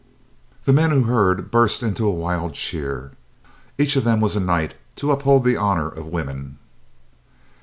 The men who heard burst into a wild cheer. Each of them was a knight to uphold the honor of woman.